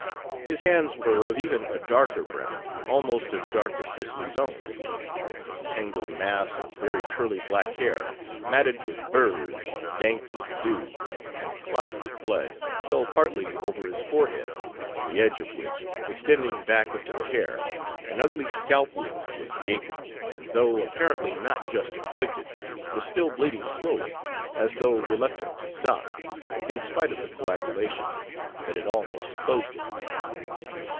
His hands were of even a darker brown, almost as dark as Cicely's own. A tangled mass of very curly black hair, matted with burs, dank with dew, and clotted with Page 137 blood, fell partly over his forehead, on the edge of which, extending back into the hair, an ugly scalp wound was gaping, and, though apparently not just inflicted, was still bleeding slowly, as though reluctant to stop, in spite of the coagulation that had almost closed it.